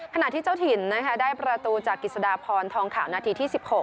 ที่เจ้าถิ่นนะคะได้ประตูจากกิจสดาพรทองข่าวนาทีที่๑๖